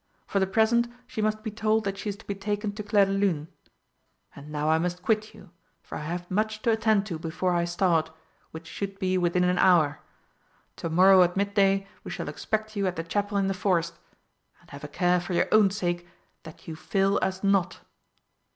For the present she must be told that she is to be taken to Clairdelune. And now I must quit you, for I have much to attend to before I start, which should be within an hour. To morrow at mid day we shall expect you at the Chapel in the forest, and have a care for your own sake that you fail us not."